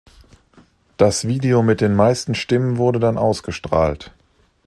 Das Video mit den meisten Stimmen wurde dann ausgestrahlt.